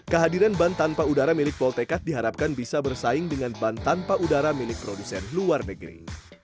kehadiran ban tanpa udara milik voltekad diharapkan bisa bersaing dengan ban tanpa udara milik produsen luar negeri